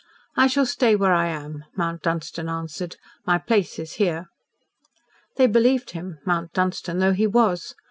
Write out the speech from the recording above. "I shall stay where I am," Mount Dunstan answered. "My place is here." They believed him, Mount Dunstan though he was.